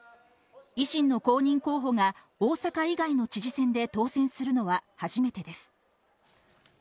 維新の後任候補が大阪以外の知事選で当選するのは初めてです。